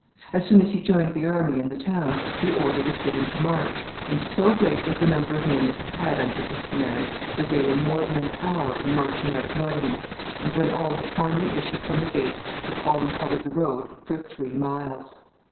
As soon as he joined the army in the town the order was given to march, and so great was the number of men that he had under his command that they were more than an hour in marching out of Nottingham, and when all had finally issued from the gate, the column covered the road for three miles.